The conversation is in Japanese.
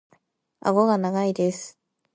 顎が長いです。